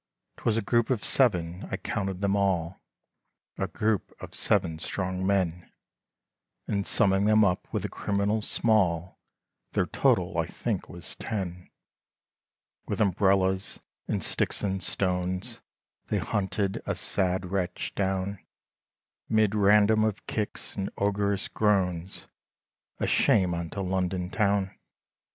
'Twas a group of seven I counted them all, A group of seven strong men, And summing them up, with the criminals small, Their total I think was ten, With umbrellas, and sticks, and stones, They hunted a sad wretch down, Mid random of kicks, and ogerous groans, A shame unto London town!